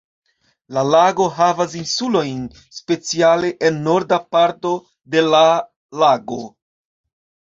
La lago havas insulojn speciale en norda parto de la lago.